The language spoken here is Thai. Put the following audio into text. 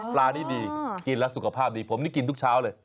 ปลานี่ดีกินแล้วสุขภาพดีผมนี่กินทุกเช้าเลย